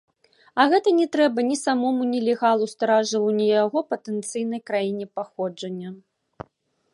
А гэта не трэба ні самому нелегалу-старажылу, ні яго патэнцыйнай краіне паходжання.